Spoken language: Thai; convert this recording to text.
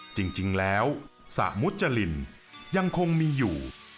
จริงแล้วสระมุจรินยังคงมีอยู่